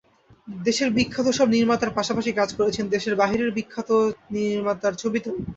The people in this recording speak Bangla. দেশের বিখ্যাত সব নির্মাতার পাশাপাশি কাজ করেছেন দেশের বাইরের বিখ্যাত নির্মাতার ছবিতেও।